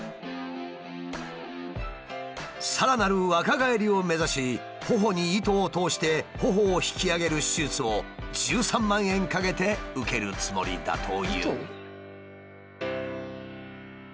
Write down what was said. さらなる若返りを目指しほほに糸を通してほほを引き上げる手術を１３万円かけて受けるつもりだという。